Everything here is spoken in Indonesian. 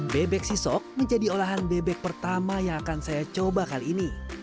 bebek sisok menjadi olahan bebek pertama yang akan saya coba kali ini